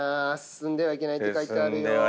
「進んではいけない」って書いてあるよ。